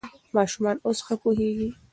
ماشومان اوس ښه پوهېږي.